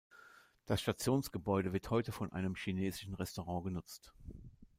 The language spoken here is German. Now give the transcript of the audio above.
Das Stationsgebäude wird heute von einem chinesischen Restaurant genutzt.